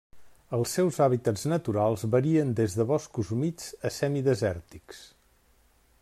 Els seus hàbitats naturals varien des de boscos humits a semidesèrtics.